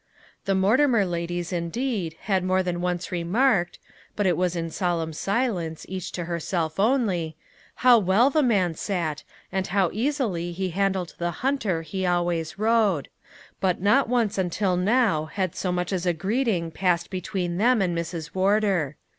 The Mortimer ladies, indeed, had more than once remarked but it was in solemn silence, each to herself only how well the man sat, and how easily he handled the hunter he always rode; but not once until now had so much as a greeting passed between them and Mrs. Wardour.